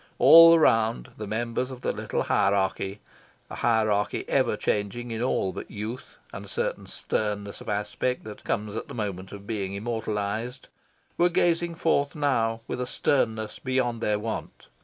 All around, the members of the little hierarchy, a hierarchy ever changing in all but youth and a certain sternness of aspect that comes at the moment of being immortalised, were gazing forth now with a sternness beyond their wont.